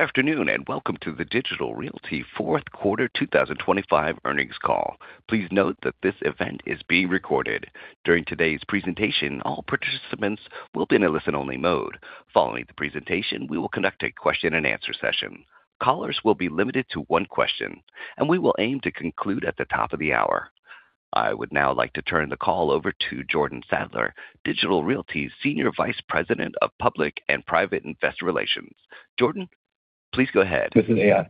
Afternoon and welcome to the Digital Realty Fourth Quarter 2025 Earnings Call. Please note that this event is being recorded. During today's presentation, all participants will be in a listen-only mode. Following the presentation, we will conduct a question-and-answer session. Callers will be limited to one question, and we will aim to conclude at the top of the hour. I would now like to turn the call over to Jordan Sadler, Digital Realty's Senior Vice President of Public and Private Investor Relations. Jordan, please go ahead. This is AI.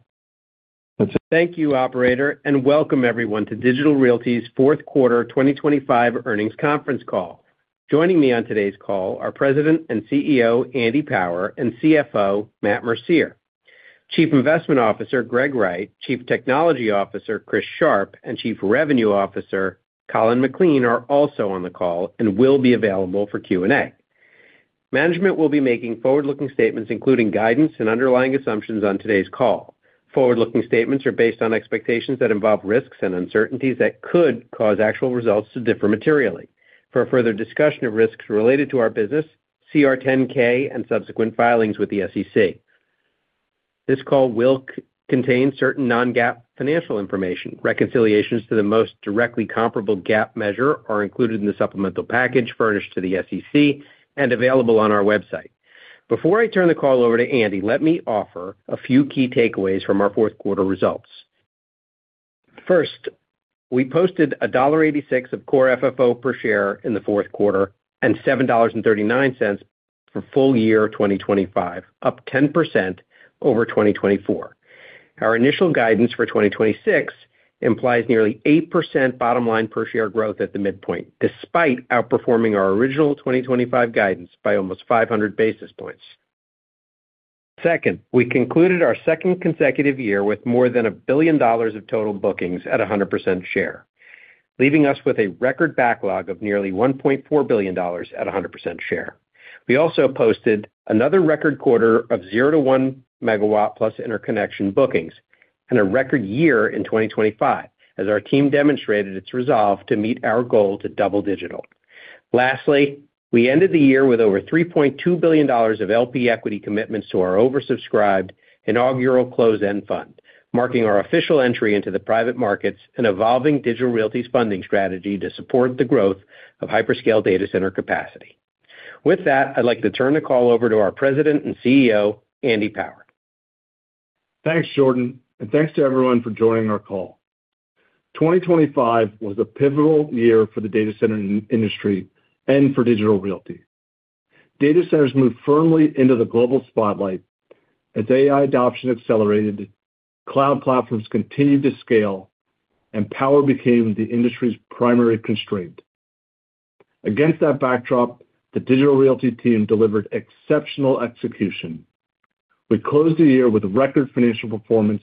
That's. Thank you, operator, and welcome everyone to Digital Realty's Fourth Quarter 2025 earnings conference call. Joining me on today's call are President and CEO Andy Power and CFO Matt Mercier. Chief Investment Officer Greg Wright, Chief Technology Officer Chris Sharp, and Chief Revenue Officer Colin McLean are also on the call and will be available for Q&A. Management will be making forward-looking statements including guidance and underlying assumptions on today's call. Forward-looking statements are based on expectations that involve risks and uncertainties that could cause actual results to differ materially. For a further discussion of risks related to our business, see our 10-K and subsequent filings with the SEC. This call will contain certain non-GAAP financial information. Reconciliations to the most directly comparable GAAP measure are included in the supplemental package furnished to the SEC and available on our website. Before I turn the call over to Andy, let me offer a few key takeaways from our fourth quarter results. First, we posted $1.86 of Core FFO per share in the fourth quarter and $7.39 for full year 2025, up 10% over 2024. Our initial guidance for 2026 implies nearly 8% bottom line per share growth at the midpoint, despite outperforming our original 2025 guidance by almost 500 basis points. Second, we concluded our second consecutive year with more than $1 billion of total bookings at 100% share, leaving us with a record backlog of nearly $1.4 billion at 100% share. We also posted another record quarter of 0-1 MW-plus interconnection bookings and a record year in 2025, as our team demonstrated its resolve to meet our goal to double Digital. Lastly, we ended the year with over $3.2 billion of LP equity commitments to our oversubscribed inaugural closed-end fund, marking our official entry into the private markets and evolving Digital Realty's funding strategy to support the growth of hyperscale data center capacity. With that, I'd like to turn the call over to our President and CEO Andy Power. Thanks, Jordan, and thanks to everyone for joining our call. 2025 was a pivotal year for the data center industry and for Digital Realty. Data centers moved firmly into the global spotlight as AI adoption accelerated, cloud platforms continued to scale, and power became the industry's primary constraint. Against that backdrop, the Digital Realty team delivered exceptional execution. We closed the year with record financial performance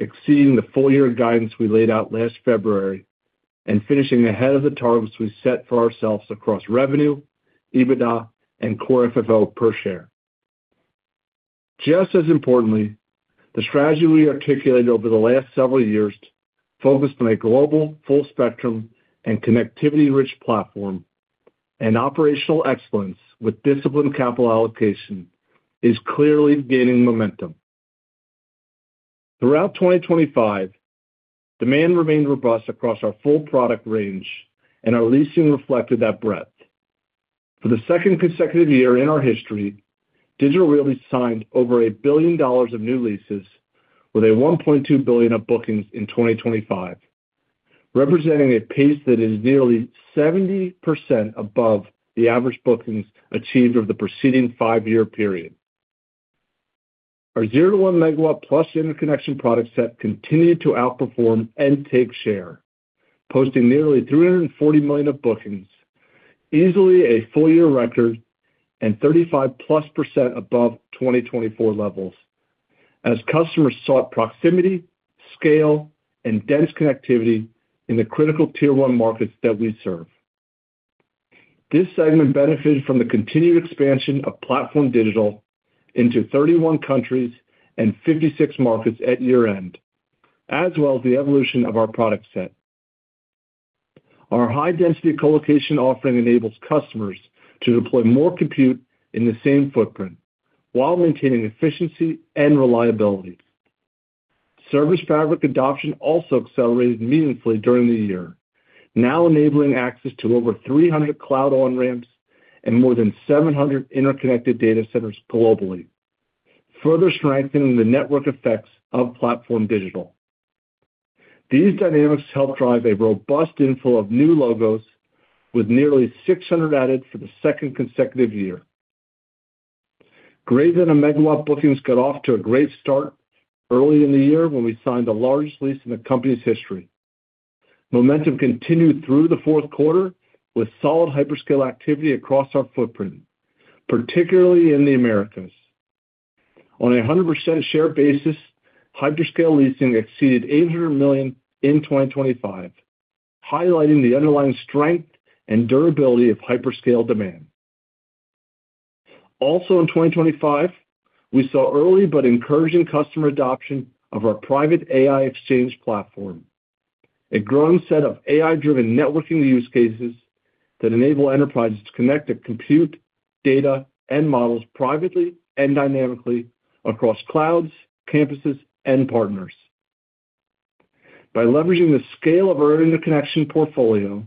exceeding the full-year guidance we laid out last February and finishing ahead of the targets we set for ourselves across revenue, EBITDA, and Core FFO per share. Just as importantly, the strategy we articulated over the last several years focused on a global, full-spectrum, and connectivity-rich platform, and operational excellence with disciplined capital allocation is clearly gaining momentum. Throughout 2025, demand remained robust across our full product range, and our leasing reflected that breadth. For the second consecutive year in our history, Digital Realty signed over $1 billion of new leases with $1.2 billion of bookings in 2025, representing a pace that is nearly 70% above the average bookings achieved over the preceding five-year period. Our 0-1 MW-Plus interconnection product set continued to outperform and take share, posting nearly $340 million of bookings, easily a full-year record and 35%+ above 2024 levels, as customers sought proximity, scale, and dense connectivity in the critical tier-one markets that we serve. This segment benefited from the continued expansion of PlatformDIGITAL into 31 countries and 56 markets at year-end, as well as the evolution of our product set. Our high-density colocation offering enables customers to deploy more compute in the same footprint while maintaining efficiency and reliability. ServiceFabric adoption also accelerated meaningfully during the year, now enabling access to over 300 cloud on-ramps and more than 700 interconnected data centers globally, further strengthening the network effects of PlatformDIGITAL. These dynamics help drive a robust inflow of new logos, with nearly 600 added for the second consecutive year. Greater than a MW bookings got off to a great start early in the year when we signed the largest lease in the company's history. Momentum continued through the fourth quarter with solid hyperscale activity across our footprint, particularly in the Americas. On a 100% share basis, hyperscale leasing exceeded $800 million in 2025, highlighting the underlying strength and durability of hyperscale demand. Also in 2025, we saw early but encouraging customer adoption of our Private AI Exchange platform, a growing set of AI-driven networking use cases that enable enterprises to connect compute, data, and models privately and dynamically across clouds, campuses, and partners. By leveraging the scale of our interconnection portfolio,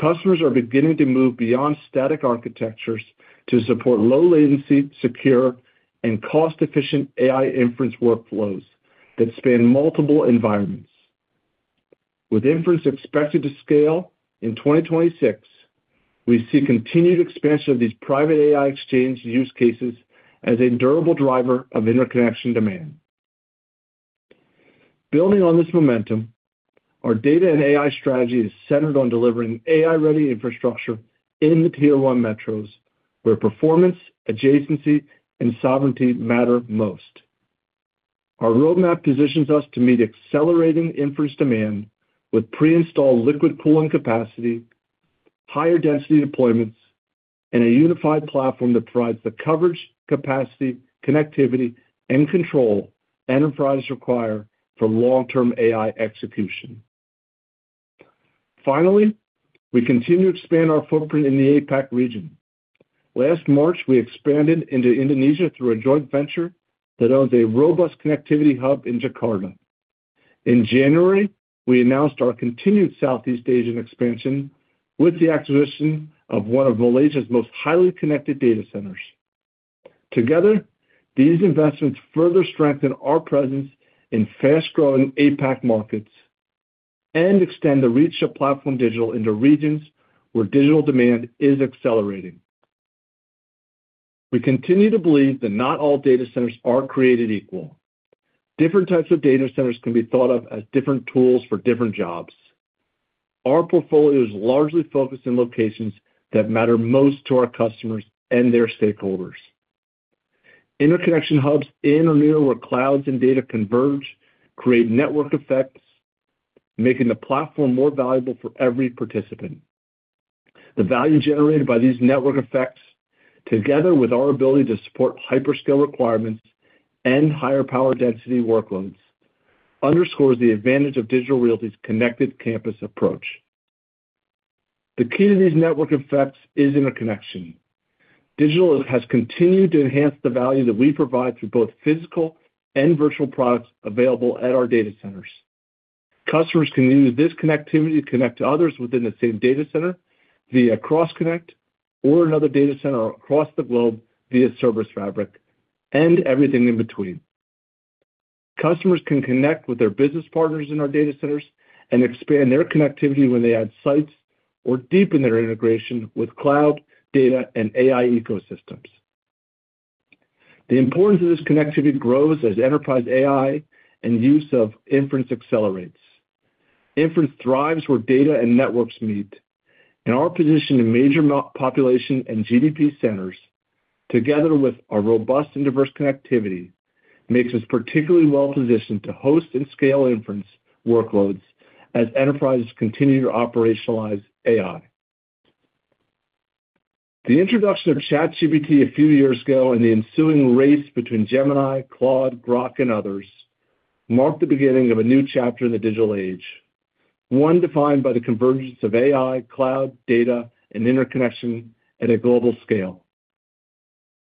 customers are beginning to move beyond static architectures to support low-latency, secure, and cost-efficient AI inference workflows that span multiple environments. With inference expected to scale in 2026, we see continued expansion of these Private AI Exchange use cases as a durable driver of interconnection demand. Building on this momentum, our data and AI strategy is centered on delivering AI-ready infrastructure in the tier-one metros where performance, adjacency, and sovereignty matter most. Our roadmap positions us to meet accelerating inference demand with pre-installed liquid cooling capacity, higher density deployments, and a unified platform that provides the coverage, capacity, connectivity, and control enterprises require for long-term AI execution. Finally, we continue to expand our footprint in the APAC region. Last March, we expanded into Indonesia through a joint venture that owns a robust connectivity hub in Jakarta. In January, we announced our continued Southeast Asian expansion with the acquisition of one of Malaysia's most highly connected data centers. Together, these investments further strengthen our presence in fast-growing APAC markets and extend the reach of PlatformDIGITAL into regions where digital demand is accelerating. We continue to believe that not all data centers are created equal. Different types of data centers can be thought of as different tools for different jobs. Our portfolio is largely focused on locations that matter most to our customers and their stakeholders. interconnection hubs in or near where clouds and data converge create network effects, making the platform more valuable for every participant. The value generated by these network effects, together with our ability to support hyperscale requirements and higher power density workloads, underscores the advantage of Digital Realty's connected campus approach. The key to these network effects is interconnection. Digital has continued to enhance the value that we provide through both physical and virtual products available at our data centers. Customers can use this connectivity to connect to others within the same data center via Cross Connect or another data center across the globe via ServiceFabric and everything in between. Customers can connect with their business partners in our data centers and expand their connectivity when they add sites or deepen their integration with cloud, data, and AI ecosystems. The importance of this connectivity grows as enterprise AI and use of inference accelerates. Inference thrives where data and networks meet, and our position in major population and GDP centers, together with our robust and diverse connectivity, makes us particularly well-positioned to host and scale inference workloads as enterprises continue to operationalize AI. The introduction of ChatGPT a few years ago and the ensuing race between Gemini, Claude, Grok, and others marked the beginning of a new chapter in the digital age, one defined by the convergence of AI, cloud, data, and interconnection at a global scale.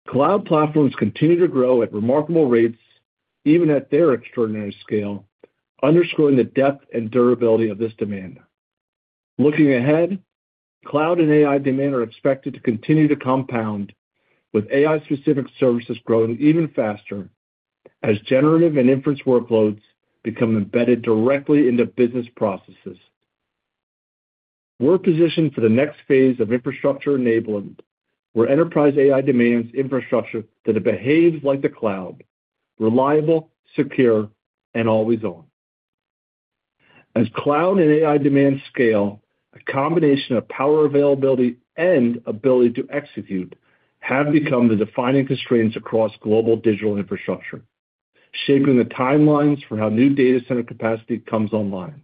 Cloud platforms continue to grow at remarkable rates, even at their extraordinary scale, underscoring the depth and durability of this demand. Looking ahead, cloud and AI demand are expected to continue to compound, with AI-specific services growing even faster as generative and inference workloads become embedded directly into business processes. We're positioned for the next phase of infrastructure enablement, where enterprise AI demands infrastructure that behaves like the cloud: reliable, secure, and always on. As cloud and AI demands scale, a combination of power availability and ability to execute have become the defining constraints across global digital infrastructure, shaping the timelines for how new data center capacity comes online.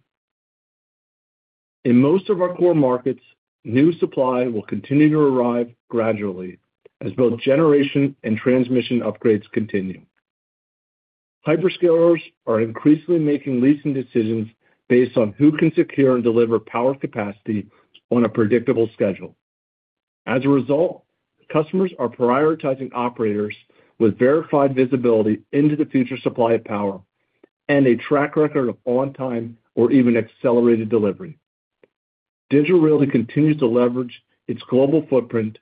In most of our core markets, new supply will continue to arrive gradually as both generation and transmission upgrades continue. Hyperscalers are increasingly making leasing decisions based on who can secure and deliver power capacity on a predictable schedule. As a result, customers are prioritizing operators with verified visibility into the future supply of power and a track record of on-time or even accelerated delivery. Digital Realty continues to leverage its global footprint,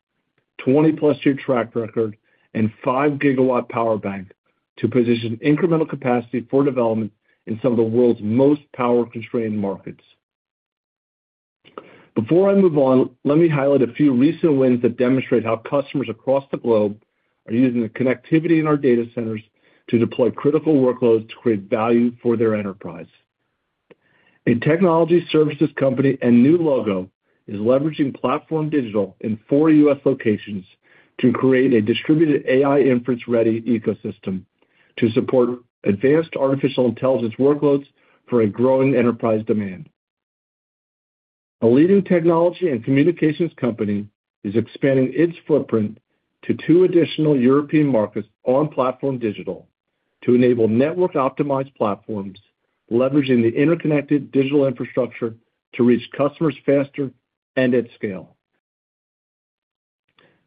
20+-year track record, and 5-GW power bank to position incremental capacity for development in some of the world's most power-constrained markets. Before I move on, let me highlight a few recent wins that demonstrate how customers across the globe are using the connectivity in our data centers to deploy critical workloads to create value for their enterprise. A technology services company and new logo is leveraging PlatformDIGITAL in four U.S. locations to create a distributed AI inference-ready ecosystem to support advanced artificial intelligence workloads for a growing enterprise demand. A leading technology and communications company is expanding its footprint to two additional European markets on PlatformDIGITAL to enable network-optimized platforms leveraging the interconnected digital infrastructure to reach customers faster and at scale.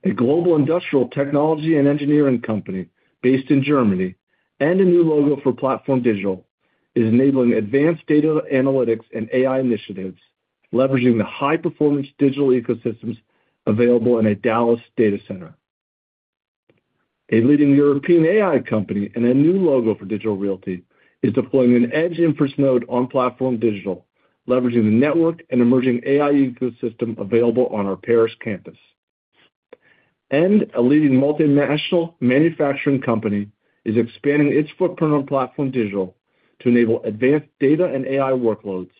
A global industrial technology and engineering company based in Germany and a new logo for PlatformDIGITAL is enabling advanced data analytics and AI initiatives, leveraging the high-performance digital ecosystems available in a Dallas data center. A leading European AI company and a new logo for Digital Realty is deploying an edge inference node on PlatformDIGITAL, leveraging the network and emerging AI ecosystem available on our Paris campus. A leading multinational manufacturing company is expanding its footprint on PlatformDIGITAL to enable advanced data and AI workloads,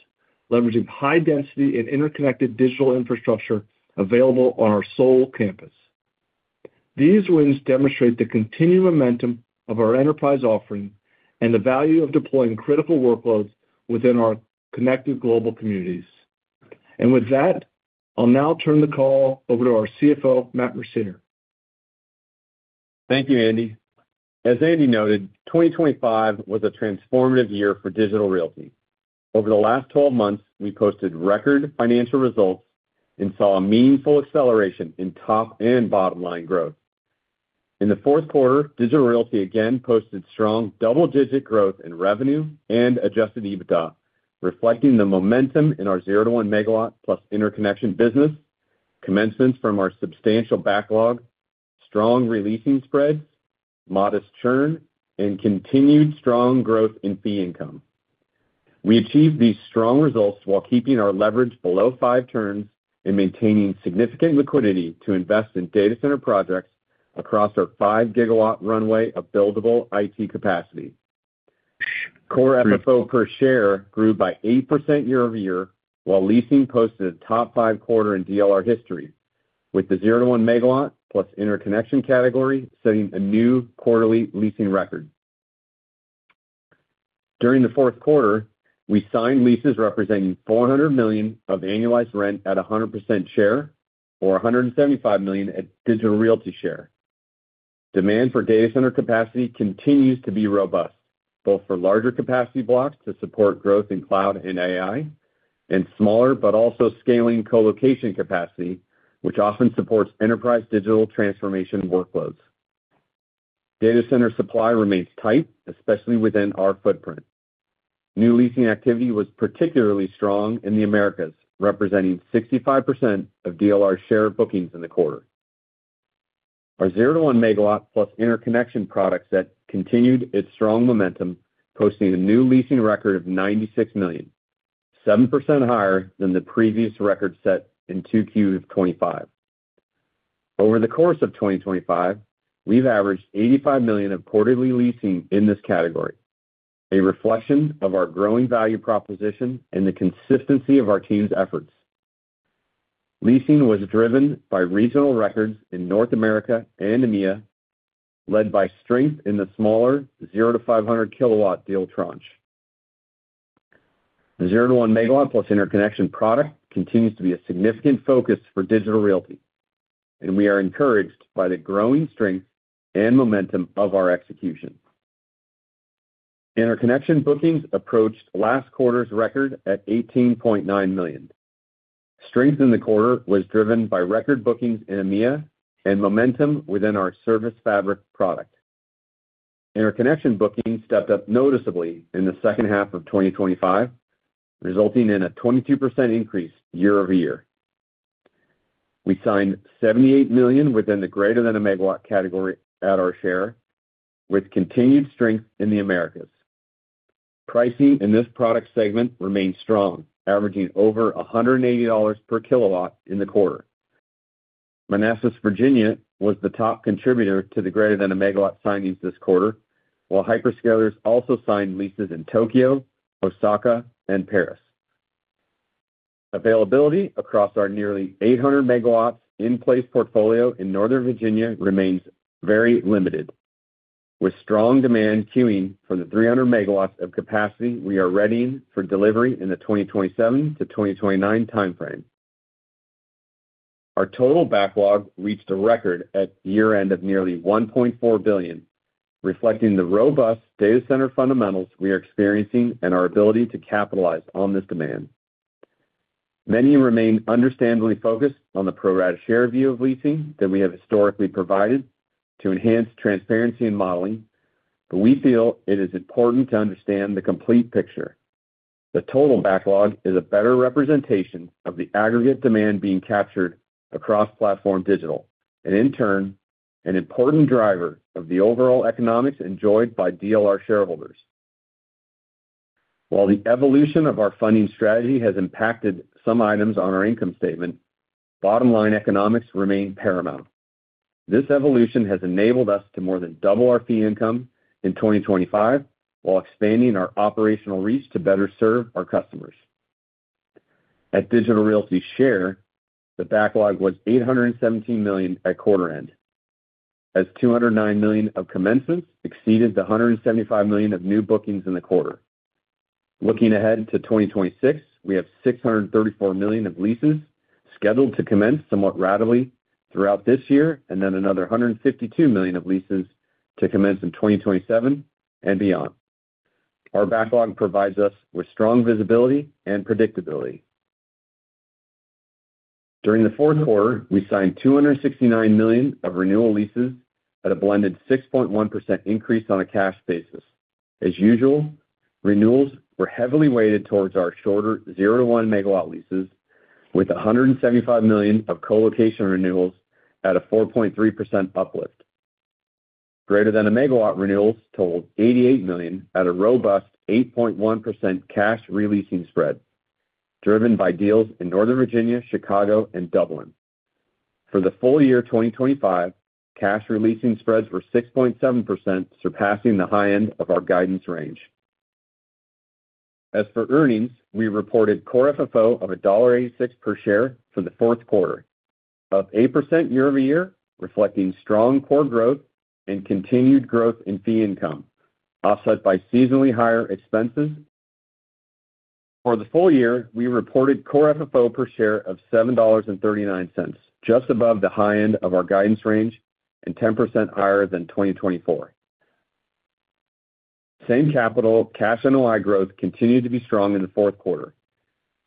leveraging high-density and interconnected digital infrastructure available on our Seoul campus. These wins demonstrate the continued momentum of our enterprise offering and the value of deploying critical workloads within our connected global communities. With that, I'll now turn the call over to our CFO, Matt Mercier. Thank you, Andy. As Andy noted, 2025 was a transformative year for Digital Realty. Over the last 12 months, we posted record financial results and saw a meaningful acceleration in top and bottom-line growth. In the fourth quarter, Digital Realty again posted strong double-digit growth in revenue and Adjusted EBITDA, reflecting the momentum in our 0-1 MW-plus interconnection business, commencements from our substantial backlog, strong releasing spreads, modest churn, and continued strong growth in fee income. We achieved these strong results while keeping our leverage below five turns and maintaining significant liquidity to invest in data center projects across our 5-GW runway of buildable IT capacity. Core FFO per share grew by 8% year-over-year, while leasing posted a top five quarter in DLR history, with the 0-1 MW-plus interconnection category setting a new quarterly leasing record. During the fourth quarter, we signed leases representing $400 million of annualized rent at 100% share or $175 million at Digital Realty share. Demand for data center capacity continues to be robust, both for larger capacity blocks to support growth in cloud and AI and smaller but also scaling colocation capacity, which often supports enterprise digital transformation workloads. Data center supply remains tight, especially within our footprint. New leasing activity was particularly strong in the Americas, representing 65% of DLR's share of bookings in the quarter. Our 0-1 MW-plus interconnection product set continued its strong momentum, posting a new leasing record of $96 million, 7% higher than the previous record set in Q2 of 2025. Over the course of 2025, we've averaged $85 million of quarterly leasing in this category, a reflection of our growing value proposition and the consistency of our team's efforts. Leasing was driven by regional records in North America and EMEA, led by strength in the smaller 0-500 kW deal tranche. The 0-1 MW-plus interconnection product continues to be a significant focus for Digital Realty, and we are encouraged by the growing strength and momentum of our execution. interconnection bookings approached last quarter's record at $18.9 million. Strength in the quarter was driven by record bookings in EMEA and momentum within our ServiceFabric product. interconnection bookings stepped up noticeably in the second half of 2025, resulting in a 22% increase year-over-year. We signed $78 million within the greater-than-a-MW category at our share, with continued strength in the Americas. Pricing in this product segment remained strong, averaging over $180 per kW in the quarter. Manassas, Virginia, was the top contributor to the greater-than-a-MW signings this quarter, while hyperscalers also signed leases in Tokyo, Osaka, and Paris. Availability across our nearly 800 MWs in-place portfolio in Northern Virginia remains very limited. With strong demand queuing for the 300 MWs of capacity, we are readying for delivery in the 2027 to 2029 time frame. Our total backlog reached a record at year-end of nearly $1.4 billion, reflecting the robust data center fundamentals we are experiencing and our ability to capitalize on this demand. Many remain understandably focused on the pro-rata share view of leasing that we have historically provided to enhance transparency and modeling, but we feel it is important to understand the complete picture. The total backlog is a better representation of the aggregate demand being captured across PlatformDIGITAL and, in turn, an important driver of the overall economics enjoyed by DLR shareholders. While the evolution of our funding strategy has impacted some items on our income statement, bottom-line economics remain paramount. This evolution has enabled us to more than double our fee income in 2025 while expanding our operational reach to better serve our customers. At Digital Realty, the backlog was $817 million at quarter-end, as $209 million of commencements exceeded the $175 million of new bookings in the quarter. Looking ahead to 2026, we have $634 million of leases scheduled to commence somewhat rapidly throughout this year and then another $152 million of leases to commence in 2027 and beyond. Our backlog provides us with strong visibility and predictability. During the fourth quarter, we signed $269 million of renewal leases at a blended 6.1% increase on a cash basis. As usual, renewals were heavily weighted towards our shorter 0-1 MW leases, with $175 million of colocation renewals at a 4.3% uplift. Greater-than-a-MW renewals totaled $88 million at a robust 8.1% cash releasing spread, driven by deals in Northern Virginia, Chicago, and Dublin. For the full year 2025, cash releasing spreads were 6.7%, surpassing the high end of our guidance range. As for earnings, we reported Core FFO of $1.86 per share for the fourth quarter, up 8% year-over-year, reflecting strong core growth and continued growth in fee income, offset by seasonally higher expenses. For the full year, we reported Core FFO per share of $7.39, just above the high end of our guidance range and 10% higher than 2024. Same capital cash NOI growth continued to be strong in the fourth quarter,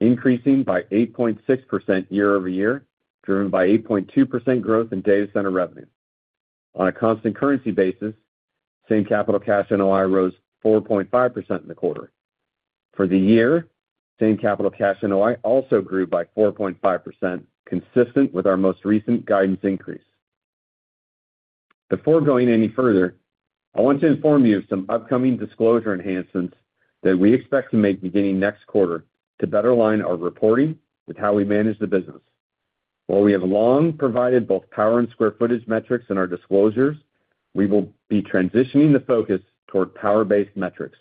increasing by 8.6% year-over-year, driven by 8.2% growth in data center revenue. On a constant currency basis, same capital cash NOI rose 4.5% in the quarter. For the year, same capital cash NOI also grew by 4.5%, consistent with our most recent guidance increase. Before going any further, I want to inform you of some upcoming disclosure enhancements that we expect to make beginning next quarter to better align our reporting with how we manage the business. While we have long provided both power and square footage metrics in our disclosures, we will be transitioning the focus toward power-based metrics.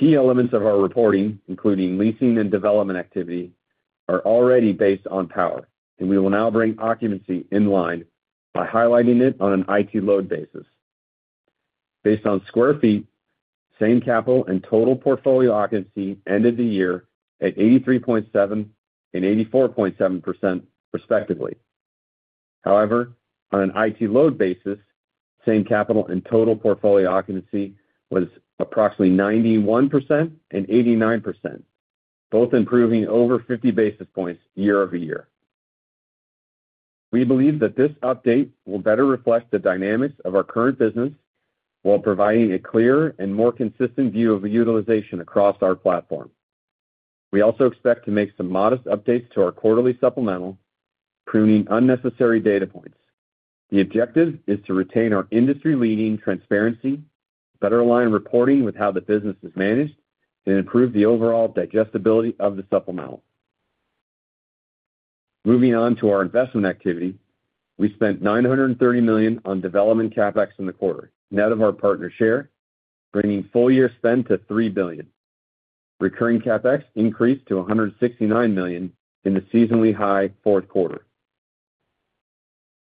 Key elements of our reporting, including leasing and development activity, are already based on power, and we will now bring occupancy in line by highlighting it on an IT load basis. Based on square feet, same capital and total portfolio occupancy ended the year at 83.7% and 84.7%, respectively. However, on an IT Load basis, same capital and total portfolio occupancy was approximately 91% and 89%, both improving over 50 basis points year-over-year. We believe that this update will better reflect the dynamics of our current business while providing a clearer and more consistent view of utilization across our platform. We also expect to make some modest updates to our quarterly supplemental, pruning unnecessary data points. The objective is to retain our industry-leading transparency, better align reporting with how the business is managed, and improve the overall digestibility of the supplemental. Moving on to our investment activity, we spent $930 million on development CapEx in the quarter, net of our partner share, bringing full-year spend to $3 billion. Recurring CapEx increased to $169 million in the seasonally high fourth quarter.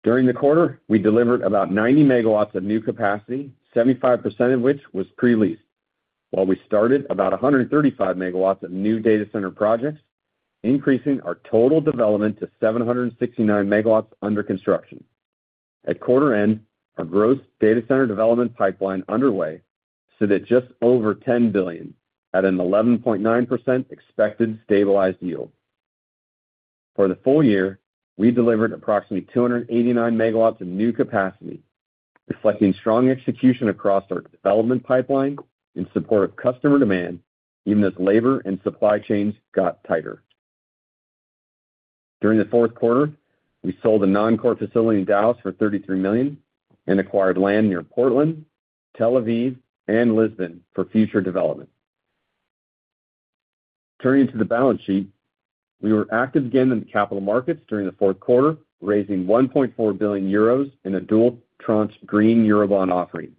During the quarter, we delivered about 90 MWs of new capacity, 75% of which was pre-leased, while we started about 135 MWs of new data center projects, increasing our total development to 769 MWs under construction. At quarter-end, our gross data center development pipeline underway sit at just over $10 billion at an 11.9% expected stabilized yield. For the full year, we delivered approximately 289 MWs of new capacity, reflecting strong execution across our development pipeline in support of customer demand, even as labor and supply chains got tighter. During the fourth quarter, we sold a non-core facility in Dallas for $33 million and acquired land near Portland, Tel Aviv, and Lisbon for future development. Turning to the balance sheet, we were active again in the capital markets during the fourth quarter, raising 1.4 billion euros in a dual tranche green Eurobond offering.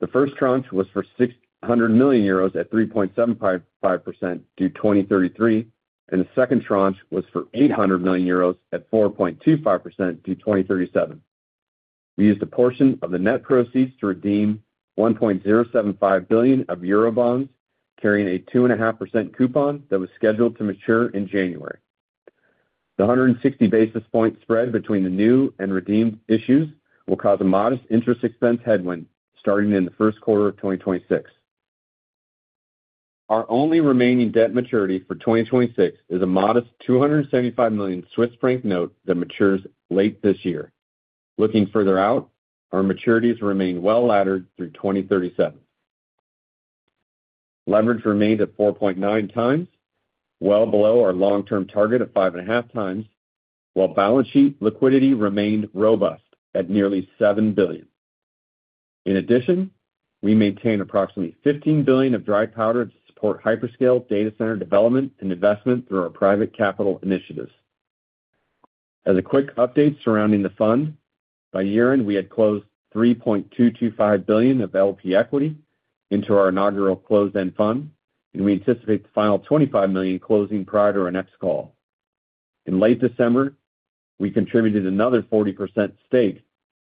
The first tranche was for 600 million euros at 3.75% due 2033, and the second tranche was for 800 million euros at 4.25% due 2037. We used a portion of the net proceeds to redeem 1.075 billion of Eurobonds, carrying a 2.5% coupon that was scheduled to mature in January. The 160 basis point spread between the new and redeemed issues will cause a modest interest expense headwind starting in the first quarter of 2026. Our only remaining debt maturity for 2026 is a modest 275 million Swiss franc note that matures late this year. Looking further out, our maturities remain well laddered through 2037. Leverage remained at 4.9x, well below our long-term target of 5.5x, while balance sheet liquidity remained robust at nearly $7 billion. In addition, we maintain approximately $15 billion of dry powder to support hyperscale data center development and investment through our private capital initiatives. As a quick update surrounding the fund, by year-end, we had closed 3.225 billion of LP equity into our inaugural closed-end fund, and we anticipate the final 25 million closing prior to our next call. In late December, we contributed another 40% stake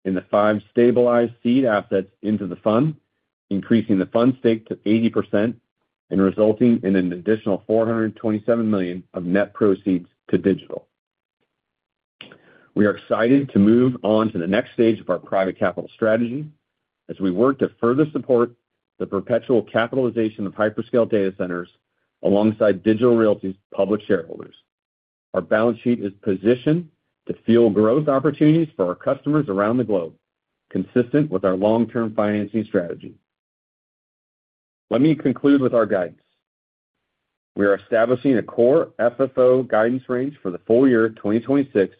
in the five stabilized seed assets into the fund, increasing the fund stake to 80% and resulting in an additional 427 million of net proceeds to Digital Realty. We are excited to move on to the next stage of our private capital strategy as we work to further support the perpetual capitalization of hyperscale data centers alongside Digital Realty's public shareholders. Our balance sheet is positioned to fuel growth opportunities for our customers around the globe, consistent with our long-term financing strategy. Let me conclude with our guidance. We are establishing a core FFO guidance range for the full year 2026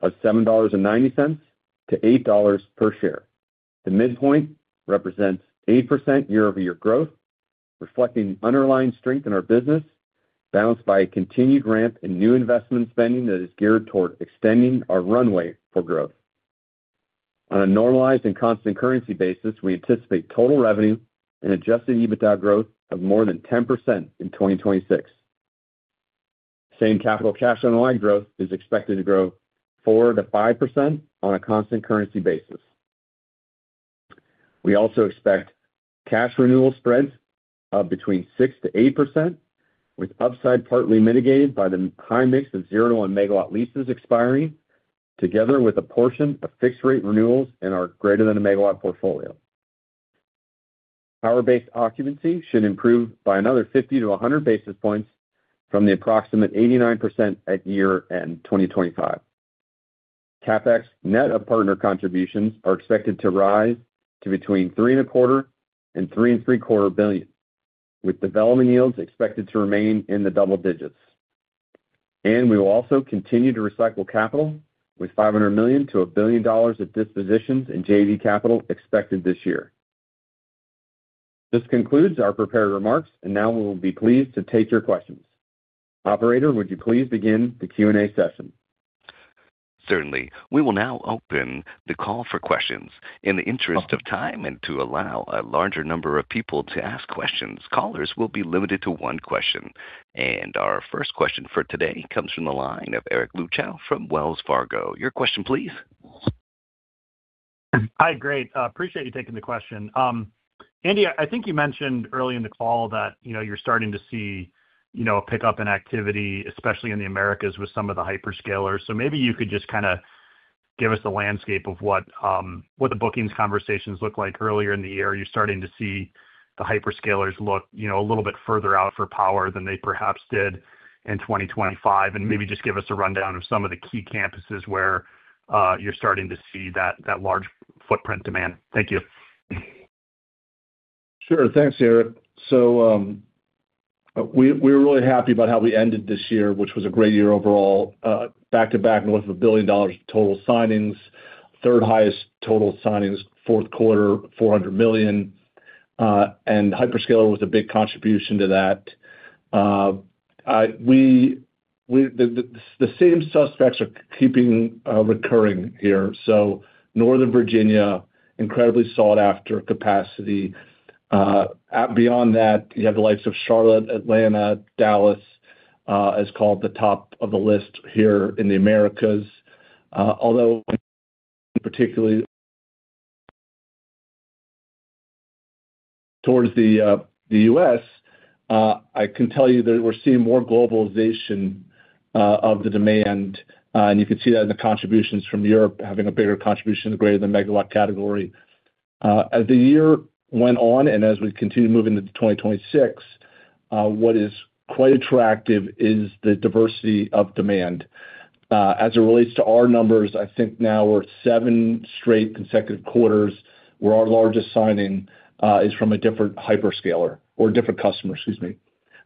of $7.90-$8 per share. The midpoint represents 8% year-over-year growth, reflecting underlying strength in our business balanced by a continued ramp in new investment spending that is geared toward extending our runway for growth. On a normalized and constant currency basis, we anticipate total revenue and Adjusted EBITDA growth of more than 10% in 2026. Same capital cash NOI growth is expected to grow 4%-5% on a constant currency basis. We also expect cash renewal spreads of between 6%-8%, with upside partly mitigated by the high mix of 0-1 MW leases expiring, together with a portion of fixed-rate renewals in our greater-than-a-MW portfolio. Power-based occupancy should improve by another 50-100 basis points from the approximate 89% at year-end 2025. CapEx net of partner contributions are expected to rise to between $3.25 billion and $3.75 billion, with development yields expected to remain in the double digits. We will also continue to recycle capital with $500 million-$1 billion of dispositions in JV capital expected this year. This concludes our prepared remarks, and now we will be pleased to take your questions. Operator, would you please begin the Q&A session? Certainly. We will now open the call for questions. In the interest of time and to allow a larger number of people to ask questions, callers will be limited to one question. Our first question for today comes from the line of Eric Luebchow from Wells Fargo. Your question, please. Hi. Great. Appreciate you taking the question. Andy, I think you mentioned early in the call that you're starting to see a pickup in activity, especially in the Americas, with some of the hyperscalers. So maybe you could just kind of give us a landscape of what the bookings conversations looked like earlier in the year. You're starting to see the hyperscalers look a little bit further out for power than they perhaps did in 2025. And maybe just give us a rundown of some of the key campuses where you're starting to see that large footprint demand. Thank you. Sure. Thanks, Eric. So we were really happy about how we ended this year, which was a great year overall. Back-to-back, north of $1 billion total signings, third highest total signings fourth quarter, $400 million. And hyperscaler was a big contribution to that. The same suspects are keeping recurring here. So Northern Virginia, incredibly sought-after capacity. Beyond that, you have the likes of Charlotte, Atlanta, Dallas, as called the top of the list here in the Americas. Although particularly towards the U.S., I can tell you that we're seeing more globalization of the demand. And you can see that in the contributions from Europe having a bigger contribution in the greater-than-a-MW category. As the year went on and as we continue moving into 2026, what is quite attractive is the diversity of demand. As it relates to our numbers, I think now we're at 7 straight consecutive quarters where our largest signing is from a different hyperscaler or different customer, excuse me.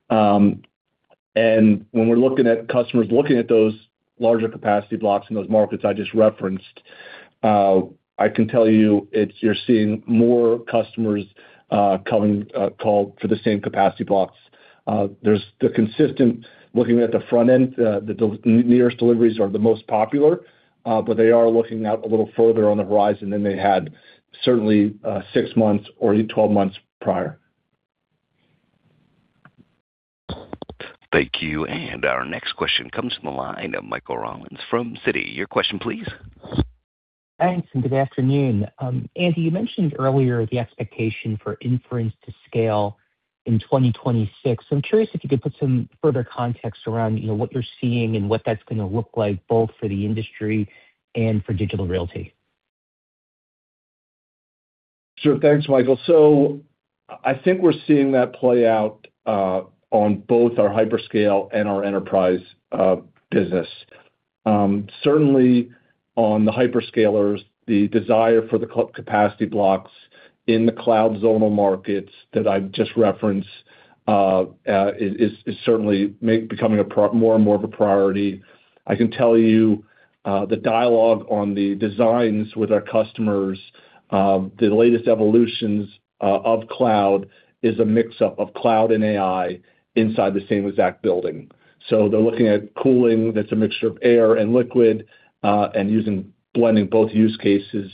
And when we're looking at customers looking at those larger capacity blocks in those markets I just referenced, I can tell you you're seeing more customers call for the same capacity blocks. There's the consistent looking at the front end. The nearest deliveries are the most popular, but they are looking out a little further on the horizon than they had, certainly, six months or 12 months prior. Thank you. And our next question comes from the line of Michael Rollins from Citi. Your question, please. Thanks and good afternoon. Andy, you mentioned earlier the expectation for inference to scale in 2026. I'm curious if you could put some further context around what you're seeing and what that's going to look like, both for the industry and for Digital Realty? Sure. Thanks, Michael. So I think we're seeing that play out on both our hyperscale and our enterprise business. Certainly, on the hyperscalers, the desire for the capacity blocks in the cloud-zonal markets that I just referenced is certainly becoming more and more of a priority. I can tell you the dialogue on the designs with our customers, the latest evolutions of cloud, is a mix-up of cloud and AI inside the same exact building. So they're looking at cooling that's a mixture of air and liquid and blending both use cases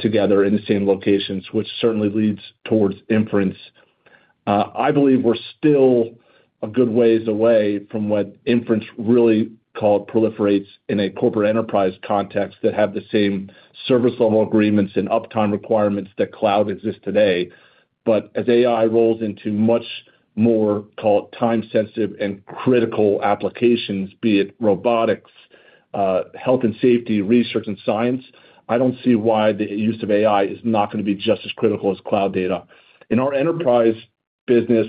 together in the same locations, which certainly leads towards inference. I believe we're still a good ways away from what inference really called proliferates in a corporate enterprise context that have the same service-level agreements and uptime requirements that cloud exists today. But as AI rolls into much more, call it, time-sensitive and critical applications, be it robotics, health and safety, research, and science, I don't see why the use of AI is not going to be just as critical as cloud data. In our enterprise business,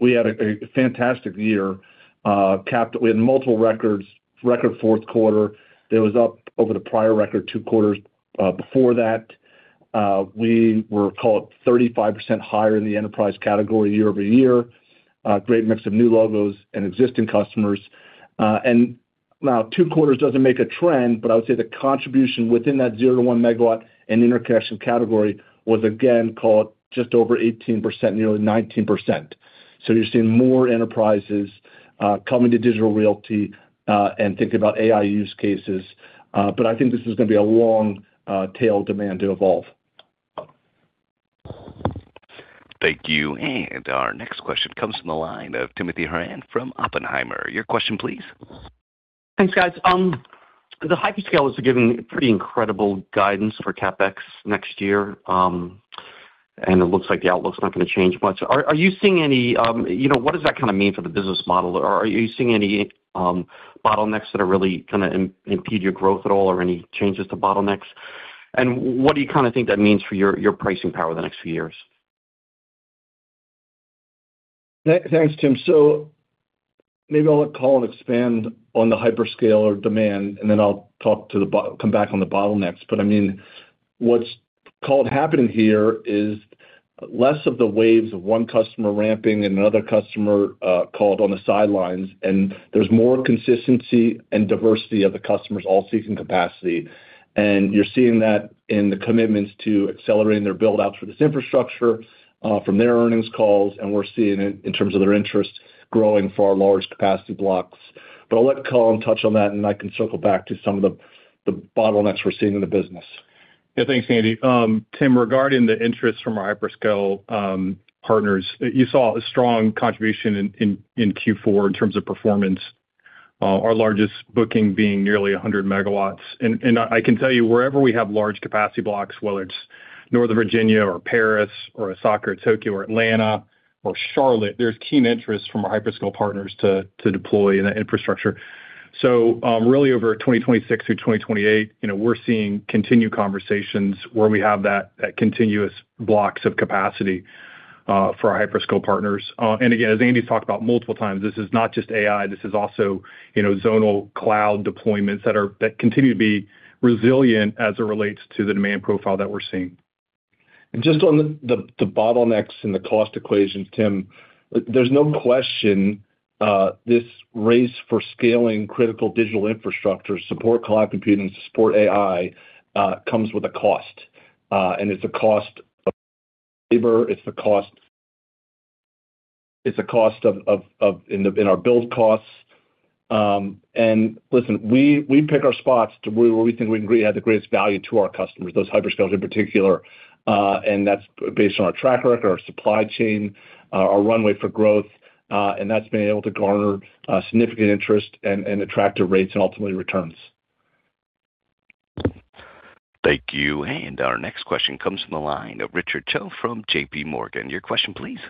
we had a fantastic year. We had multiple records. Record fourth quarter, that was up over the prior record two quarters before that. We were, call it, 35% higher in the enterprise category year-over-year, great mix of new logos and existing customers. And now, two quarters doesn't make a trend, but I would say the contribution within that 0-1 MW and interconnection category was, again, call it, just over 18%, nearly 19%. So you're seeing more enterprises coming to Digital Realty and thinking about AI use cases. But I think this is going to be a long-tail demand to evolve. Thank you. And our next question comes from the line of Timothy Horan from Oppenheimer. Your question, please. Thanks, guys. The hyperscale is giving pretty incredible guidance for capex next year, and it looks like the outlook's not going to change much. Are you seeing any? What does that kind of mean for the business model? Are you seeing any bottlenecks that are really going to impede your growth at all or any changes to bottlenecks? And what do you kind of think that means for your pricing power the next few years? Thanks, Tim. So maybe I'll call and expand on the hyperscaler demand, and then I'll come back on the bottlenecks. But I mean, what's, call it, happening here is less of the waves of one customer ramping and another customer, call it, on the sidelines, and there's more consistency and diversity of the customers all seeking capacity. And you're seeing that in the commitments to accelerating their buildouts for this infrastructure from their earnings calls, and we're seeing it in terms of their interest growing for our large capacity blocks. But I'll let Colin touch on that, and I can circle back to some of the bottlenecks we're seeing in the business. Yeah. Thanks, Andy. Tim, regarding the interest from our hyperscale partners, you saw a strong contribution in Q4 in terms of performance, our largest booking being nearly 100 MW. And I can tell you, wherever we have large capacity blocks, whether it's Northern Virginia or Paris or Osaka or Tokyo or Atlanta or Charlotte, there's keen interest from our hyperscale partners to deploy in that infrastructure. So really, over 2026 through 2028, we're seeing continued conversations where we have that continuous blocks of capacity for our hyperscale partners. And again, as Andy's talked about multiple times, this is not just AI. This is also zonal cloud deployments that continue to be resilient as it relates to the demand profile that we're seeing. Just on the bottlenecks and the cost equations, Tim, there's no question this race for scaling critical digital infrastructure, support cloud computing, support AI comes with a cost. It's a cost of labor. It's a cost of, in our build costs. Listen, we pick our spots where we think we can have the greatest value to our customers, those hyperscalers in particular. That's based on our track record, our supply chain, our runway for growth. That's been able to garner significant interest and attractive rates and ultimately returns. Thank you. And our next question comes from the line of Richard Choe from JPMorgan. Your question, please.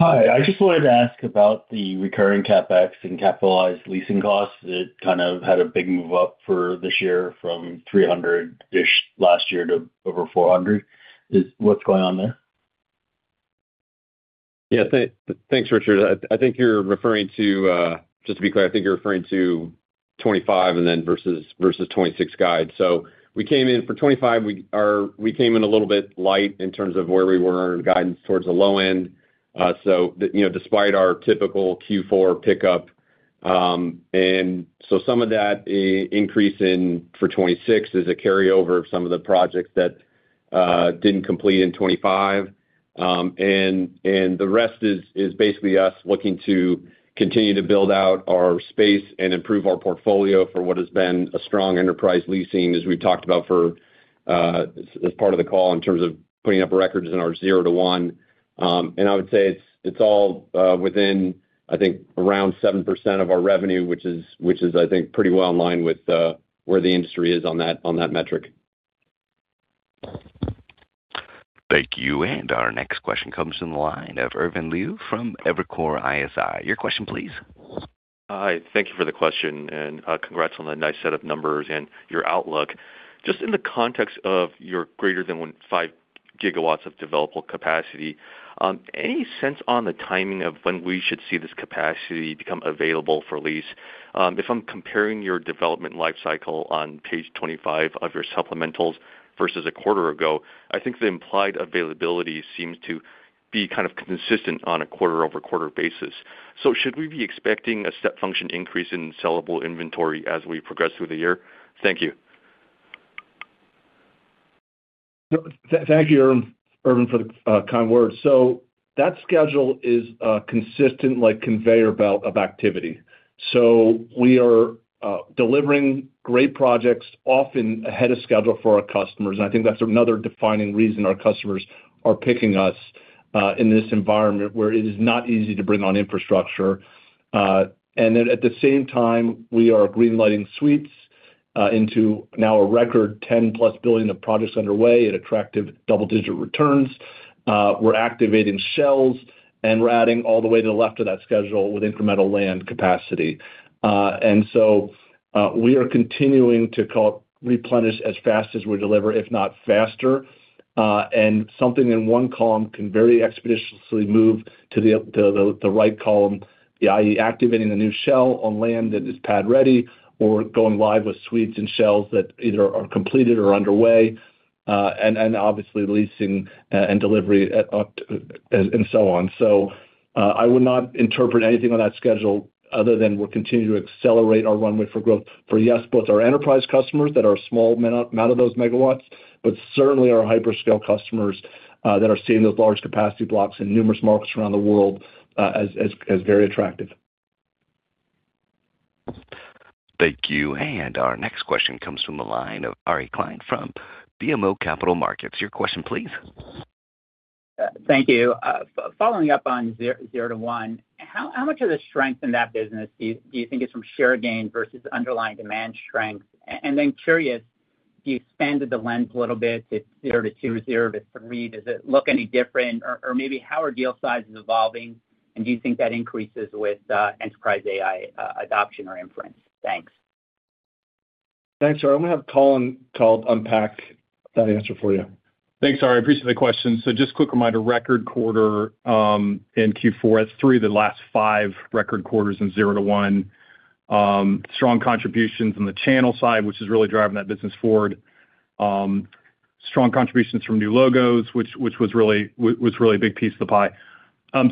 Hi. I just wanted to ask about the recurring CapEx and capitalized leasing costs. It kind of had a big move up for this year from $300-ish last year to over $400. What's going on there? Yeah. Thanks, Richard. I think you're referring to, just to be clear, 2025 and then versus 2026 guide. So we came in for 2025. We came in a little bit light in terms of where we were on guidance towards the low end. So despite our typical Q4 pickup and so some of that increase for 2026 is a carryover of some of the projects that didn't complete in 2025. And the rest is basically us looking to continue to build out our space and improve our portfolio for what has been a strong enterprise leasing, as we've talked about as part of the call, in terms of putting up records in our 0-1. I would say it's all within, I think, around 7% of our revenue, which is, I think, pretty well in line with where the industry is on that metric. Thank you. Our next question comes from the line of Irvin Liu from Evercore ISI. Your question, please. Hi. Thank you for the question, and congrats on the nice set of numbers and your outlook. Just in the context of your greater-than-5 GWs of developable capacity, any sense on the timing of when we should see this capacity become available for lease? If I'm comparing your development lifecycle on page 25 of your supplementals versus a quarter ago, I think the implied availability seems to be kind of consistent on a quarter-over-quarter basis. So should we be expecting a step function increase in sellable inventory as we progress through the year? Thank you. Thank you, Irvin, for the kind words. That schedule is consistent like conveyor belt of activity. We are delivering great projects, often ahead of schedule for our customers. I think that's another defining reason our customers are picking us in this environment where it is not easy to bring on infrastructure. At the same time, we are greenlighting suites into now a record $10+ billion of projects underway at attractive double-digit returns. We're activating shells, and we're adding all the way to the left of that schedule with incremental land capacity. We are continuing to, call it, replenish as fast as we deliver, if not faster. Something in one column can very expeditiously move to the right column, i.e., activating the new shell on land that is pad-ready or going live with suites and shells that either are completed or underway, and obviously, leasing and delivery and so on. I would not interpret anything on that schedule other than we're continuing to accelerate our runway for growth for, yes, both our enterprise customers that are a small amount of those MWs, but certainly our hyperscale customers that are seeing those large capacity blocks in numerous markets around the world as very attractive. Thank you. And our next question comes from the line of Ari Klein from BMO Capital Markets. Your question, please. Thank you. Following up on 0-1, how much of the strength in that business do you think is from share gain versus underlying demand strength? And then curious, if you expanded the lens a little bit to 0-2 or 0-3, does it look any different? Or maybe how are deal sizes evolving, and do you think that increases with enterprise AI adoption or inference? Thanks. Thanks, Ari. I'm going to have Colin, call it, unpack that answer for you. Thanks, Ari. Appreciate the question. So just quick reminder, record quarter in Q4. That's 3 of the last 5 record quarters in 0-1. Strong contributions on the channel side, which is really driving that business forward. Strong contributions from new logos, which was really a big piece of the pie.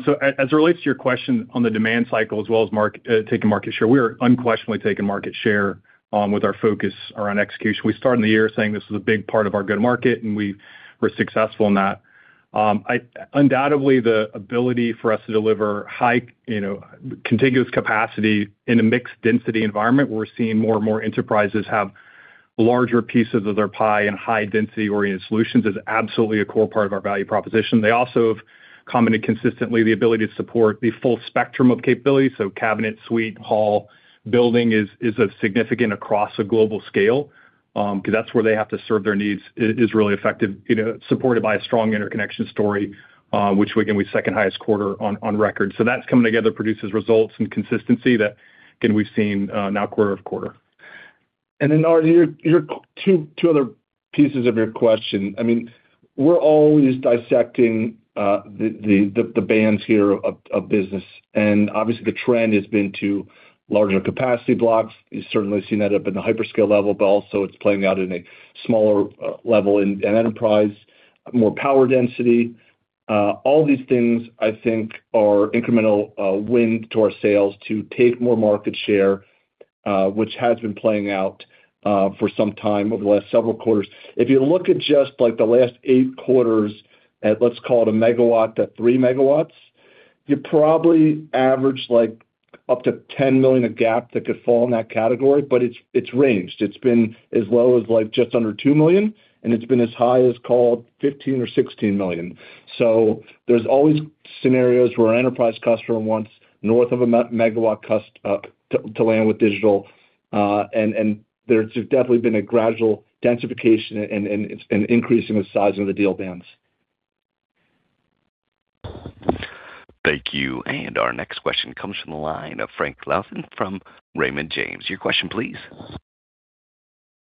So as it relates to your question on the demand cycle as well as taking market share, we are unquestionably taking market share with our focus around execution. We started the year saying this was a big part of our go-to-market, and we were successful in that. Undoubtedly, the ability for us to deliver high contiguous capacity in a mixed-density environment where we're seeing more and more enterprises have larger pieces of their pie and high-density-oriented solutions is absolutely a core part of our value proposition. They also have commented consistently the ability to support the full spectrum of capabilities. So cabinet, suite, hall, building is significant across a global scale because that's where they have to serve their needs is really effective, supported by a strong interconnection story, which, again, we second-highest quarter on record. So that's coming together, produces results and consistency that, again, we've seen now quarter-over-quarter. And then, Ari, your two other pieces of your question. I mean, we're always dissecting the bands here of business. And obviously, the trend has been to larger capacity blocks. You've certainly seen that up in the hyperscale level, but also it's playing out in a smaller level in enterprise, more power density. All these things, I think, are incremental win to our sales to take more market share, which has been playing out for some time over the last several quarters. If you look at just the last 8 quarters at, let's call it, 1 MW to 3 MWs, you probably average up to $10 million a quarter that could fall in that category. But it's ranged. It's been as low as just under $2 million, and it's been as high as, call it, $15 million or $16 million. So there's always scenarios where an enterprise customer wants north of a MW to land with Digital. And there's definitely been a gradual densification and increasing the size of the deal bands. Thank you. And our next question comes from the line of Frank Louthan from Raymond James. Your question, please.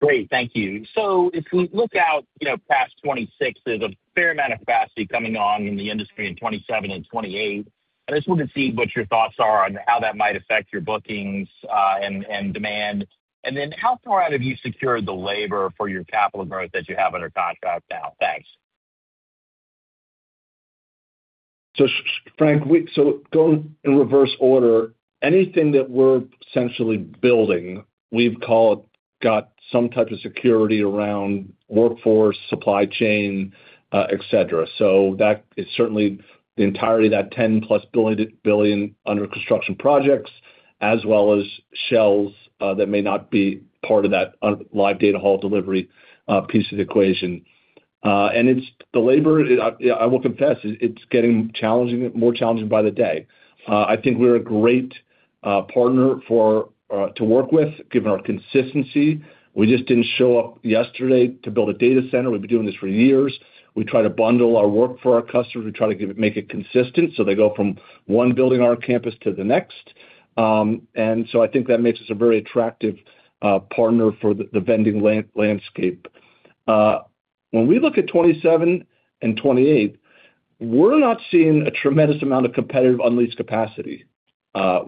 Great. Thank you. So if we look out past 2026, there's a fair amount of capacity coming on in the industry in 2027 and 2028. I just wanted to see what your thoughts are on how that might affect your bookings and demand. And then how far out have you secured the labor for your capital growth that you have under contract now? Thanks. So Frank, so going in reverse order, anything that we're essentially building, we've, call it, got some type of security around workforce, supply chain, etc. So that is certainly the entirety of that $10+ billion under construction projects, as well as shells that may not be part of that live data hall delivery piece of the equation. And the labor, I will confess, it's getting more challenging by the day. I think we're a great partner to work with, given our consistency. We just didn't show up yesterday to build a data center. We've been doing this for years. We try to bundle our work for our customers. We try to make it consistent so they go from one building on our campus to the next. And so I think that makes us a very attractive partner for the vendor landscape. When we look at 2027 and 2028, we're not seeing a tremendous amount of competitive unleased capacity.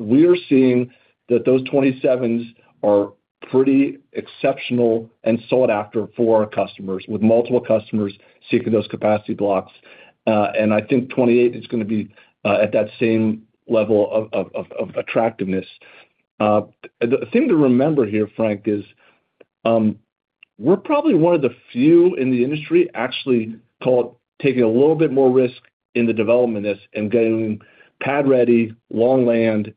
We are seeing that those 2027s are pretty exceptional and sought after for our customers, with multiple customers seeking those capacity blocks. And I think 2028 is going to be at that same level of attractiveness. The thing to remember here, Frank, is we're probably one of the few in the industry, actually, call it, taking a little bit more risk in the development of this and getting pad-ready, long land,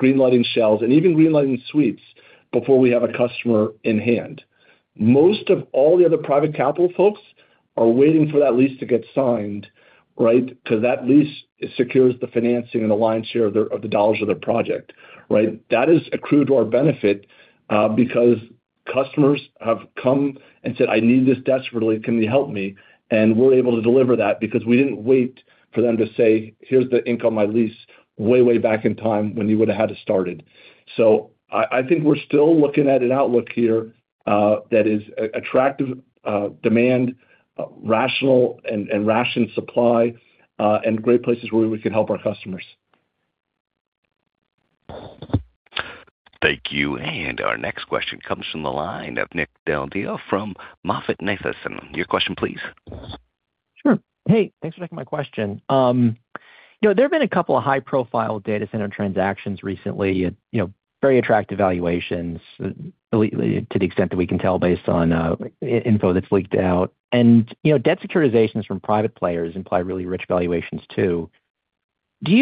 greenlighting shells, and even greenlighting suites before we have a customer in hand. Most of all the other private capital folks are waiting for that lease to get signed, right, because that lease secures the financing and the lion's share of the dollars of their project, right? That has accrued to our benefit because customers have come and said, "I need this desperately. Can you help me?" And we're able to deliver that because we didn't wait for them to say, "Here's the ink on my lease," way, way back in time when you would have had to start it. So I think we're still looking at an outlook here that is attractive demand, rational and rationed supply, and great places where we can help our customers. Thank you. And our next question comes from the line of Nick Del Deo from MoffettNathanson. Your question, please. Sure. Hey, thanks for taking my question. There have been a couple of high-profile data center transactions recently at very attractive valuations, to the extent that we can tell based on info that's leaked out. And debt securitizations from private players imply really rich valuations too. Do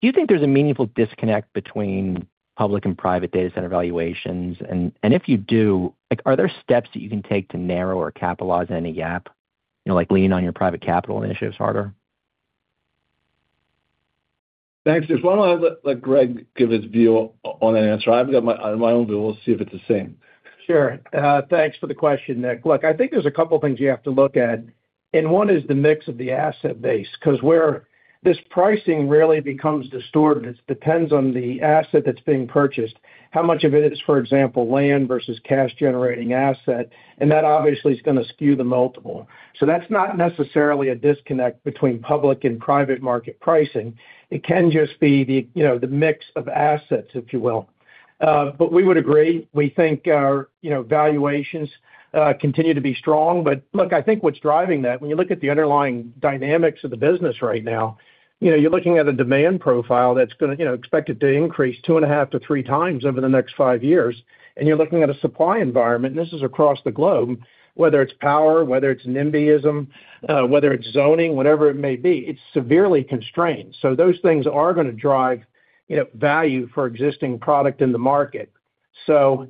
you think there's a meaningful disconnect between public and private data center valuations? And if you do, are there steps that you can take to narrow or capitalize on any gap, like leaning on your private capital initiatives harder? Thanks. If I want to let Greg give his view on that answer, I've got my own view. We'll see if it's the same. Sure. Thanks for the question, Nick. Look, I think there's a couple of things you have to look at. And one is the mix of the asset base because where this pricing really becomes distorted, it depends on the asset that's being purchased, how much of it is, for example, land versus cash-generating asset. And that obviously is going to skew the multiple. So that's not necessarily a disconnect between public and private market pricing. It can just be the mix of assets, if you will. But we would agree. We think our valuations continue to be strong. But look, I think what's driving that, when you look at the underlying dynamics of the business right now, you're looking at a demand profile that's going to expect it to increase 2.5-3x over the next five years. You're looking at a supply environment, and this is across the globe, whether it's power, whether it's NIMBYism, whether it's zoning, whatever it may be, it's severely constrained. Those things are going to drive value for existing product in the market. Look,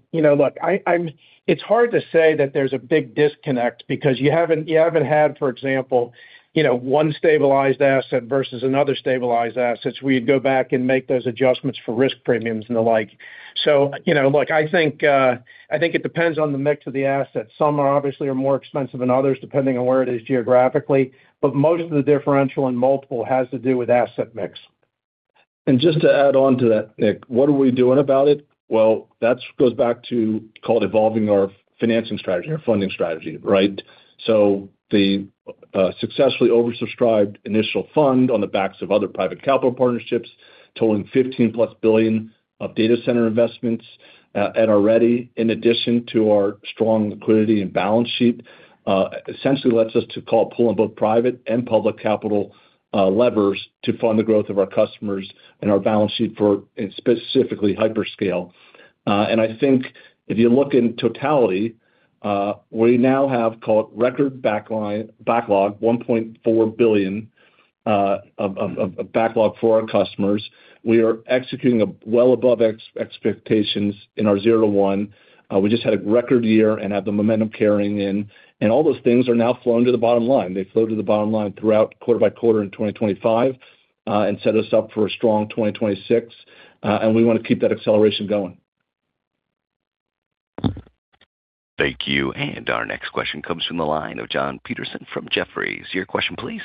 it's hard to say that there's a big disconnect because you haven't had, for example, one stabilized asset versus another stabilized asset. We'd go back and make those adjustments for risk premiums and the like. Look, I think it depends on the mix of the assets. Some obviously are more expensive than others, depending on where it is geographically. Most of the differential and multiple has to do with asset mix. And just to add on to that, Nick, what are we doing about it? Well, that goes back to, call it, evolving our financing strategy, our funding strategy, right? So the successfully oversubscribed initial fund on the backs of other private capital partnerships, totaling $15+ billion of data center investments at our ready, in addition to our strong liquidity and balance sheet, essentially lets us to, call it, pull on both private and public capital levers to fund the growth of our customers and our balance sheet for specifically hyperscale. And I think if you look in totality, we now have, call it, record backlog, $1.4 billion of backlog for our customers. We are executing well above expectations in our 0-1. We just had a record year and have the momentum carrying in. And all those things are now flowing to the bottom line. They flowed to the bottom line throughout quarter by quarter in 2025 and set us up for a strong 2026. We want to keep that acceleration going. Thank you. Our next question comes from the line of Jon Petersen from Jefferies. Your question, please.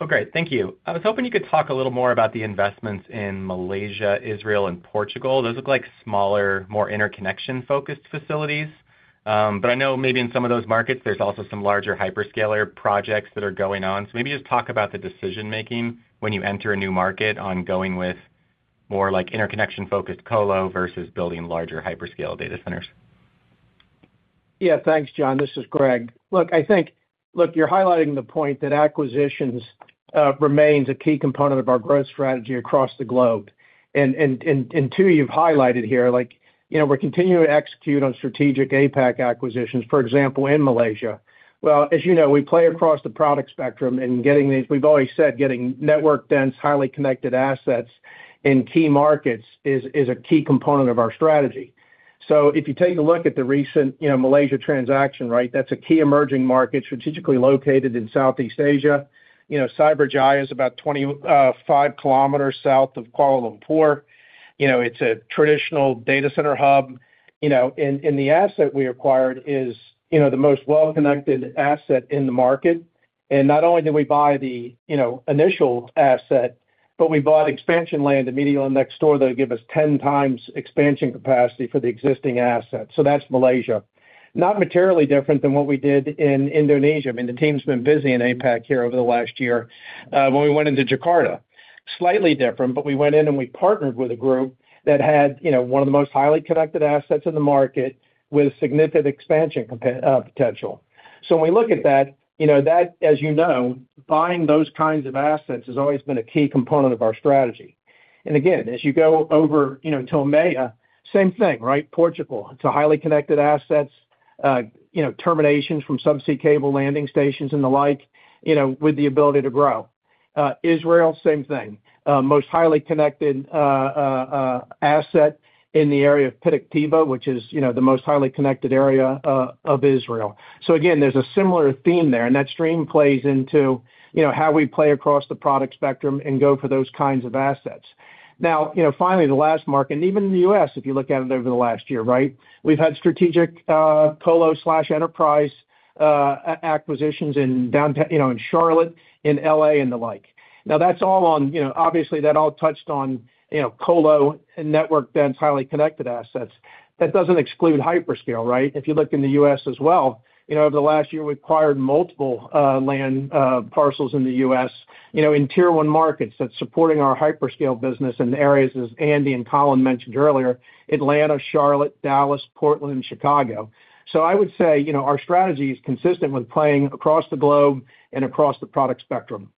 Oh, great. Thank you. I was hoping you could talk a little more about the investments in Malaysia, Israel, and Portugal. Those look like smaller, more interconnection-focused facilities. But I know maybe in some of those markets, there's also some larger hyperscaler projects that are going on. So maybe just talk about the decision-making when you enter a new market on going with more interconnection-focused colo versus building larger hyperscale data centers. Yeah. Thanks, Jon. This is Greg. Look, I think, look, you're highlighting the point that acquisitions remain a key component of our growth strategy across the globe. And two, you've highlighted here, we're continuing to execute on strategic APAC acquisitions, for example, in Malaysia. Well, as you know, we play across the product spectrum. And we've always said getting network-dense, highly connected assets in key markets is a key component of our strategy. So if you take a look at the recent Malaysia transaction, right, that's a key emerging market strategically located in Southeast Asia. Cyberjaya is about 25 kilometers south of Kuala Lumpur. It's a traditional data center hub. And the asset we acquired is the most well-connected asset in the market. Not only did we buy the initial asset, but we bought expansion land immediately next door that would give us 10x expansion capacity for the existing asset. That's Malaysia, not materially different than what we did in Indonesia. I mean, the team's been busy in APAC here over the last year when we went into Jakarta. Slightly different, but we went in and we partnered with a group that had one of the most highly connected assets in the market with significant expansion potential. When we look at that, as you know, buying those kinds of assets has always been a key component of our strategy. Again, as you go over to EMEA, same thing, right? Portugal, it's a highly connected asset, terminations from subsea cable landing stations and the like with the ability to grow. Israel, same thing, most highly connected asset in the area of Petah Tikva, which is the most highly connected area of Israel. So again, there's a similar theme there. And that stream plays into how we play across the product spectrum and go for those kinds of assets. Now, finally, the last market, and even the U.S., if you look at it over the last year, right, we've had strategic colo/enterprise acquisitions in Charlotte, in LA, and the like. Now, that's all, obviously, that all touched on colo and network-dense, highly connected assets. That doesn't exclude hyperscale, right? If you look in the U.S. as well, over the last year, we acquired multiple land parcels in the U.S. in tier one markets that's supporting our hyperscale business in the areas as Andy and Colin mentioned earlier, Atlanta, Charlotte, Dallas, Portland, and Chicago. I would say our strategy is consistent with playing across the globe and across the product spectrum.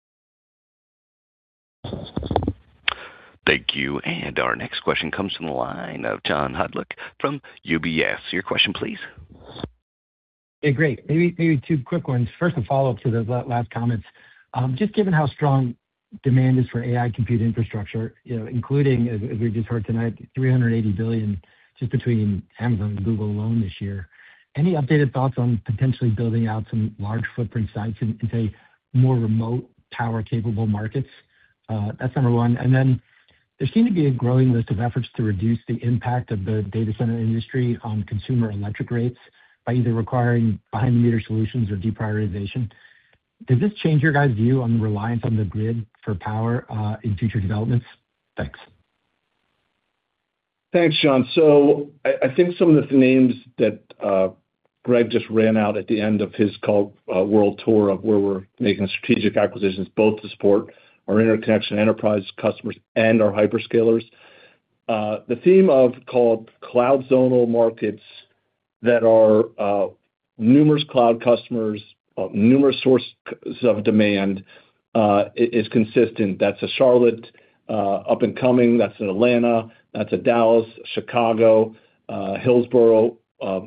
Thank you. Our next question comes from the line of John Hodulik from UBS. Your question, please. Yeah, great. Maybe two quick ones. First, a follow-up to those last comments. Just given how strong demand is for AI compute infrastructure, including, as we just heard tonight, $380 billion just between Amazon and Google alone this year, any updated thoughts on potentially building out some large footprint sites in, say, more remote, power-capable markets? That's number one. And then there seemed to be a growing list of efforts to reduce the impact of the data center industry on consumer electric rates by either requiring behind-the-meter solutions or deprioritization. Does this change your guys' view on the reliance on the grid for power in future developments? Thanks. Thanks, John. So I think some of the names that Greg just ran out at the end of his, call it, world tour of where we're making strategic acquisitions, both to support our interconnection enterprise customers and our hyperscalers, the theme of, call it, cloud-zonal markets that are numerous cloud customers, numerous sources of demand, is consistent. That's a Charlotte up-and-coming. That's an Atlanta. That's a Dallas, Chicago, Hillsboro,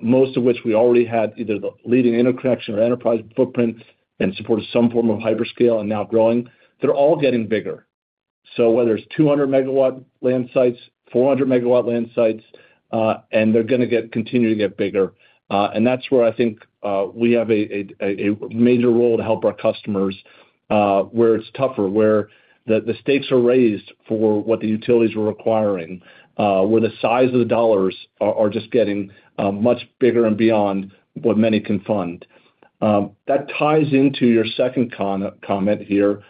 most of which we already had either the leading interconnection or enterprise footprint and supported some form of hyperscale and now growing. They're all getting bigger. So whether it's 200-MW land sites, 400-MW land sites, and they're going to continue to get bigger. And that's where I think we have a major role to help our customers where it's tougher, where the stakes are raised for what the utilities are requiring, where the size of the dollars are just getting much bigger and beyond what many can fund. That ties into your second comment here.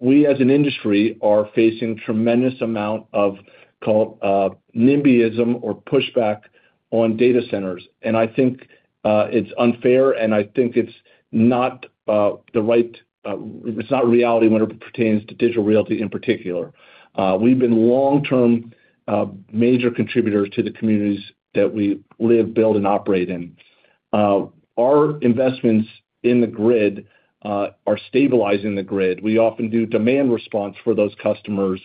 We, as an industry, are facing a tremendous amount of, call it, NIMBYism or pushback on data centers. And I think it's unfair. And I think it's not the right it's not reality when it pertains to Digital Realty in particular. We've been long-term major contributors to the communities that we live, build, and operate in. Our investments in the grid are stabilizing the grid. We often do demand response for those customers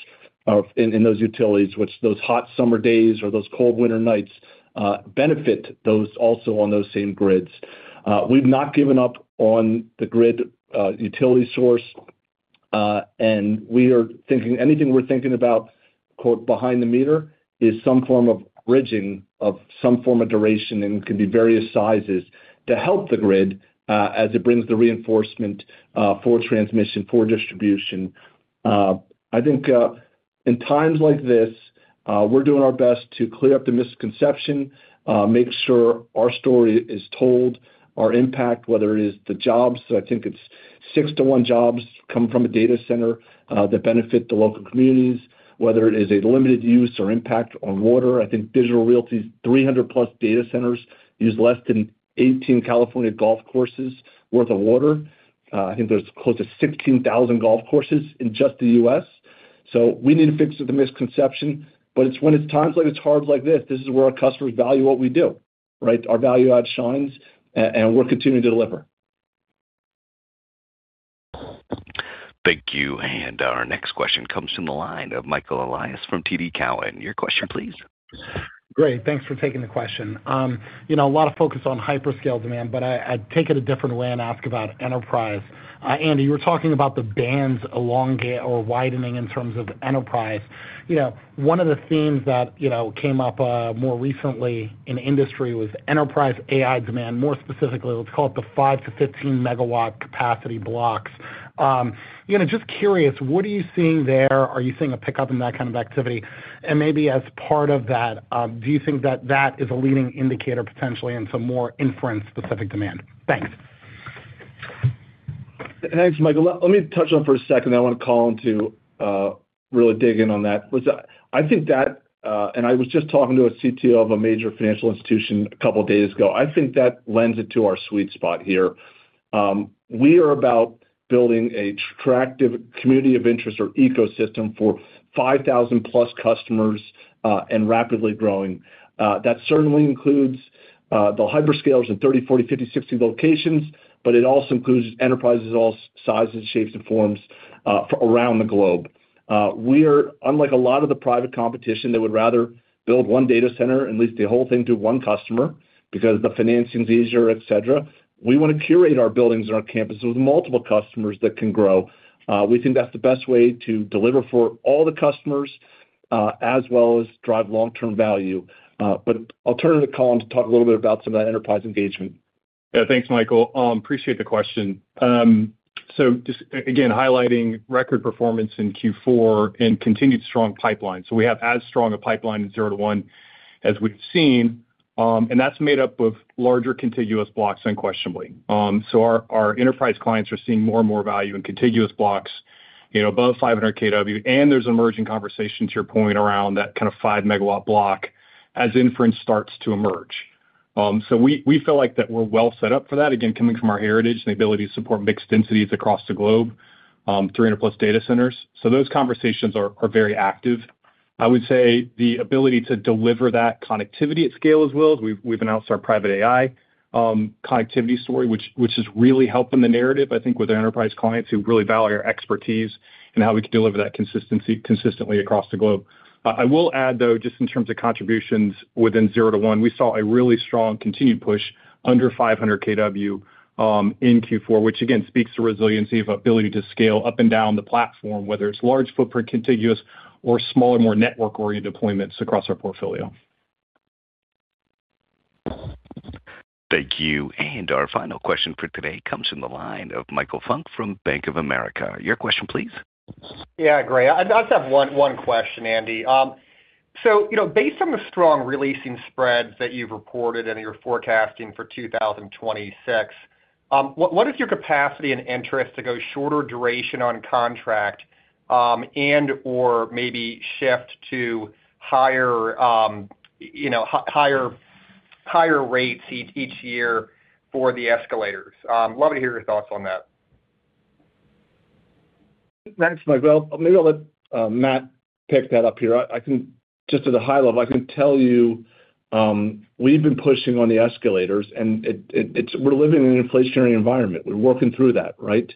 in those utilities, which those hot summer days or those cold winter nights benefit also on those same grids. We've not given up on the grid utility source. We are thinking anything we're thinking about, "behind the meter," is some form of bridging of some form of duration and can be various sizes to help the grid as it brings the reinforcement for transmission, for distribution. I think in times like this, we're doing our best to clear up the misconception, make sure our story is told, our impact, whether it is the jobs that I think it's 6-to-1 jobs come from a data center that benefit the local communities, whether it is a limited use or impact on water. I think Digital Realty's 300+ data centers use less than 18 California golf courses' worth of water. I think there's close to 16,000 golf courses in just the U.S. We need to fix the misconception. But when it's times like it's hard like this, this is where our customers value what we do, right? Our value add shines. And we're continuing to deliver. Thank you. Our next question comes from the line of Michael Elias from TD Cowen. Your question, please. Great. Thanks for taking the question. A lot of focus on hyperscale demand. But I'd take it a different way and ask about enterprise. Andy, you were talking about the bands widening in terms of enterprise. One of the themes that came up more recently in industry was enterprise AI demand. More specifically, let's call it the 5-15-MW capacity blocks. Just curious, what are you seeing there? Are you seeing a pickup in that kind of activity? And maybe as part of that, do you think that that is a leading indicator potentially into more inference-specific demand? Thanks. Thanks, Michael. Let me touch on it for a second. I want to call him to really dig in on that. I think that and I was just talking to a CTO of a major financial institution a couple of days ago. I think that lends it to our sweet spot here. We are about building an attractive community of interest or ecosystem for 5,000+ customers and rapidly growing. That certainly includes the hyperscalers in 30, 40, 50, 60 locations. But it also includes enterprises of all sizes, shapes, and forms around the globe. Unlike a lot of the private competition that would rather build one data center, lease the whole thing to one customer because the financing's easier, etc., we want to curate our buildings and our campuses with multiple customers that can grow. We think that's the best way to deliver for all the customers as well as drive long-term value. But I'll turn it to Colin to talk a little bit about some of that enterprise engagement. Yeah. Thanks, Michael. Appreciate the question. So just again, highlighting record performance in Q4 and continued strong pipeline. So we have as strong a pipeline in 0-1 as we've seen. And that's made up of larger contiguous blocks, unquestionably. So our enterprise clients are seeing more and more value in contiguous blocks above 500 kW. And there's an emerging conversation, to your point, around that kind of 5-MW block as inference starts to emerge. So we feel like that we're well set up for that, again, coming from our heritage and the ability to support mixed densities across the globe, 300+ data centers. So those conversations are very active. I would say the ability to deliver that connectivity at scale as well as we've announced our private AI connectivity story, which is really helping the narrative, I think, with our enterprise clients who really value our expertise and how we can deliver that consistently across the globe. I will add, though, just in terms of contributions within 0-1, we saw a really strong continued push under 500 kW in Q4, which, again, speaks to resiliency of ability to scale up and down the platform, whether it's large footprint contiguous or smaller, more network-oriented deployments across our portfolio. Thank you. And our final question for today comes from the line of Michael Funk from Bank of America. Your question, please. Yeah, Greg. I just have one question, Andy. So based on the strong releasing spreads that you've reported and that you're forecasting for 2026, what is your capacity and interest to go shorter duration on contract and/or maybe shift to higher rates each year for the escalators? Love to hear your thoughts on that. Thanks, Michael. Maybe I'll let Matt pick that up here. Just at a high level, I can tell you we've been pushing on the escalators. We're living in an inflationary environment. We're working through that, right?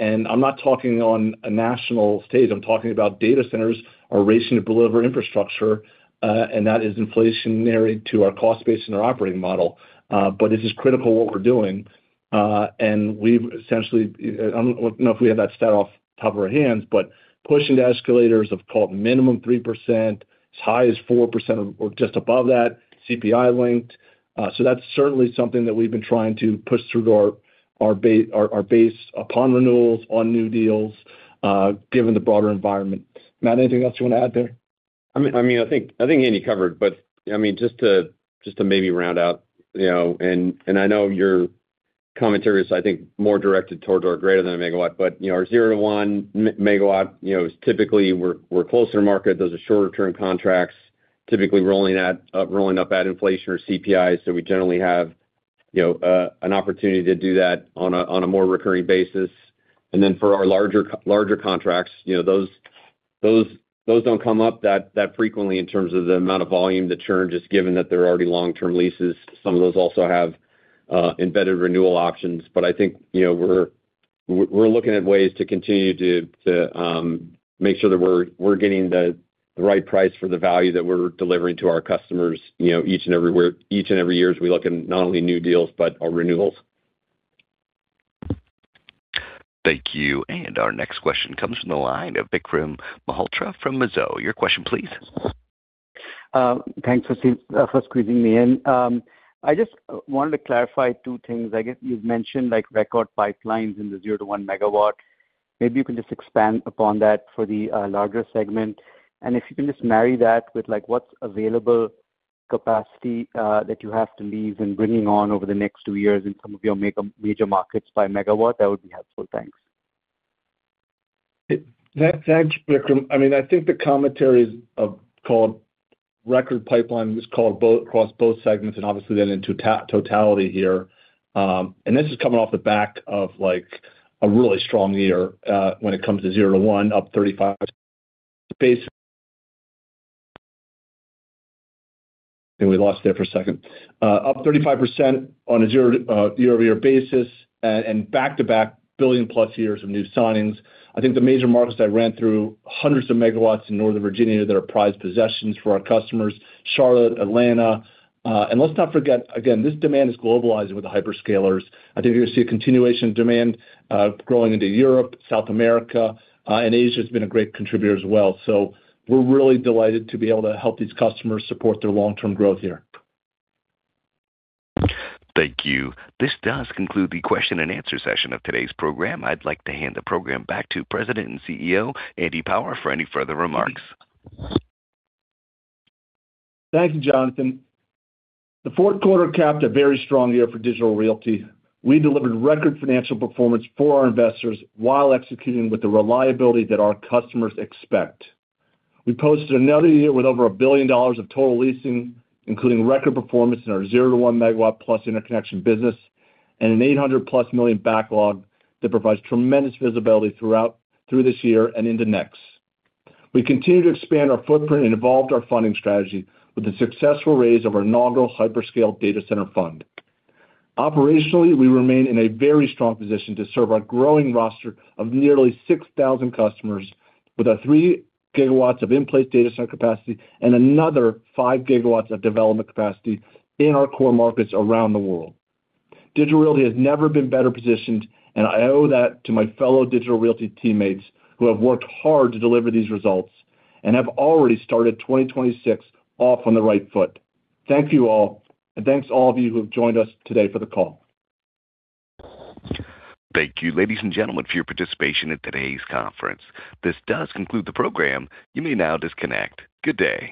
I'm not talking on a national stage. I'm talking about data centers are racing to deliver infrastructure. That is inflationary to our cost base and our operating model. This is critical what we're doing. We've essentially—I don't know if we have that stat off the top of our heads, but pushing to escalators of, call it, minimum 3%, as high as 4% or just above that, CPI-linked. So that's certainly something that we've been trying to push through our base upon renewals, on new deals, given the broader environment. Matt, anything else you want to add there? I mean, I think Andy covered. But I mean, just to maybe round out and I know your commentary is, I think, more directed towards our greater-than-a-MW. But our 0-1 MW, typically, we're closer to market. Those are shorter-term contracts, typically rolling up at inflation or CPI. So we generally have an opportunity to do that on a more recurring basis. And then for our larger contracts, those don't come up that frequently in terms of the amount of volume that churn just given that they're already long-term leases. Some of those also have embedded renewal options. But I think we're looking at ways to continue to make sure that we're getting the right price for the value that we're delivering to our customers each and every year. As we look at not only new deals but our renewals. Thank you. And our next question comes from the line of Vikram Malhotra from Mizuho. Your question, please. Thanks for squeezing me in. I just wanted to clarify two things. I guess you've mentioned record pipelines in the 0-1 MW. Maybe you can just expand upon that for the larger segment. And if you can just marry that with what's available capacity that you have to lease and bringing on over the next two years in some of your major markets by MW, that would be helpful. Thanks. Thanks, Vikram. I mean, I think the commentary is, call it, record pipeline across both segments and obviously then into totality here. This is coming off the back of a really strong year when it comes to 0-1, up 35%. I think we lost there for a second. Up 35% on a year-over-year basis and back-to-back billion-plus years of new signings. I think the major markets I ran through, hundreds of MWs in Northern Virginia that are prized possessions for our customers, Charlotte, Atlanta. Let's not forget, again, this demand is globalizing with the hyperscalers. I think you're going to see a continuation of demand growing into Europe, South America. Asia has been a great contributor as well. So we're really delighted to be able to help these customers support their long-term growth here. Thank you. This does conclude the question-and-answer session of today's program. I'd like to hand the program back to President and CEO Andy Power for any further remarks. Thank you, Jonathan. The fourth quarter capped a very strong year for Digital Realty. We delivered record financial performance for our investors while executing with the reliability that our customers expect. We posted another year with over $1 billion of total leasing, including record performance in our 0-1 MW-plus interconnection business and an $800+ million backlog that provides tremendous visibility through this year and into next. We continue to expand our footprint and evolved our funding strategy with the successful raise of our inaugural hyperscale data center fund. Operationally, we remain in a very strong position to serve our growing roster of nearly 6,000 customers with our 3 GWs of in-place data center capacity and another 5 GWs of development capacity in our core markets around the world. Digital Realty has never been better positioned. I owe that to my fellow Digital Realty teammates who have worked hard to deliver these results and have already started 2026 off on the right foot. Thank you all. Thanks to all of you who have joined us today for the call. Thank you, ladies and gentlemen, for your participation in today's conference. This does conclude the program. You may now disconnect. Good day.